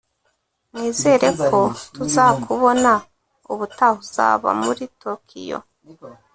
nizere ko tuzakubona ubutaha uzaba muri tokiyo.